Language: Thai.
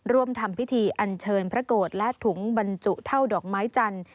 ร่วมทำพิธีอันเชิญพระโกรธและถุงบรรจุเท่าดอกไม้จันทร์